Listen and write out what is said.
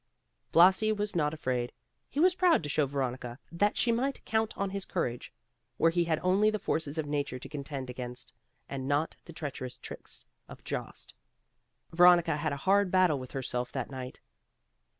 Blasi was not afraid. He was proud to show Veronica that she might count on his courage, where he had only the forces of nature to contend against, and not the treacherous tricks of Jost. Veronica had a hard battle with herself that night.